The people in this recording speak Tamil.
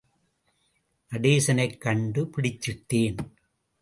நடேசனைக் கண்டு பிடிச்சிட்டேன்!